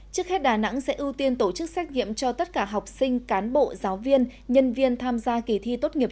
trước hết đà nẵng sẽ ưu tiên tổ chức xét nghiệm cho tất cả học sinh cán bộ giáo viên nhân viên tham gia kỳ thi tốt nghiệp